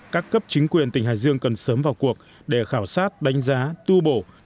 các cấp chính quyền tỉnh hải dương cần sớm vào cuộc để khảo sát đánh giá tu bổ